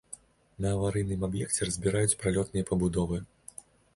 На аварыйным аб'екце разбіраюць пралётныя пабудовы.